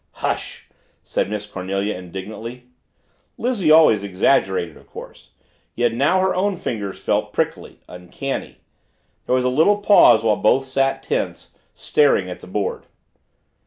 "Hush!" said Miss Cornelia indignantly. Lizzie always exaggerated, of course yet now her own fingers felt prickly, uncanny. There was a little pause while both sat tense, staring at the board.